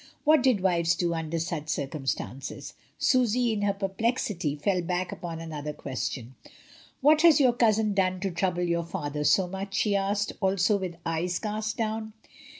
What did wives do under such circumstances? Susy, in her perplexity, fell back upon another question. "What has your cousin done to trouble your father so much?" she asked, also with eyes cast down.